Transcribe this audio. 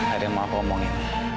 aida mau aku omongin